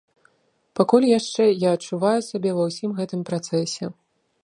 Пакуль яшчэ я адчуваю сябе ва ўсім гэтым працэсе.